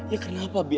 ya kenapa bi